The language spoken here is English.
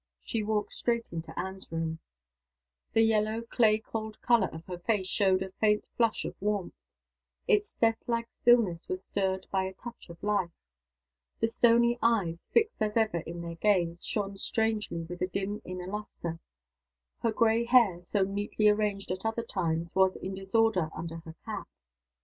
She walked straight into Anne's room. The yellow clay cold color of her face showed a faint flush of warmth; its deathlike stillness was stirred by a touch of life. The stony eyes, fixed as ever in their gaze, shone strangely with a dim inner lustre. Her gray hair, so neatly arranged at other times, was in disorder under her cap.